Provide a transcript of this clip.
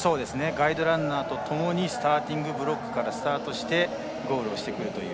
ガイドランナーとともにスターティングブロックからスタートしてゴールしていくという。